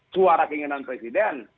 suara keinginan presiden